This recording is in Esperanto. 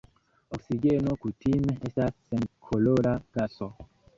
Oksigeno kutime estas senkolora gaso.